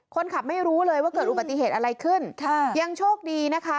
คนขับไม่รู้เลยว่าเกิดอุบัติเหตุอะไรขึ้นค่ะยังโชคดีนะคะ